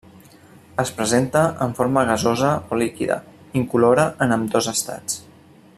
Es presenta en forma gasosa o líquida, incolora en ambdós estats.